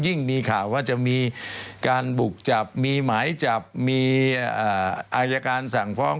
มีข่าวว่าจะมีการบุกจับมีหมายจับมีอายการสั่งฟ้อง